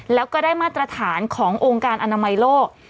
แล้วก็ได้มาตรฐานขององค์การอนามัยโลก